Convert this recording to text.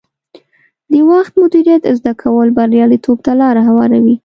د وخت مدیریت زده کول بریالیتوب ته لار هواروي.